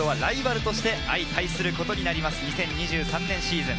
２０２３年シーズン。